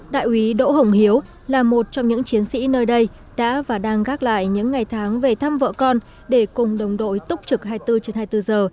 đại úy đỗ hồng hiếu là một trong những chiến sĩ nơi đây đã và đang gác lại những ngày tháng về thăm vợ con để cùng đồng đội túc trực hai mươi bốn trên hai mươi bốn giờ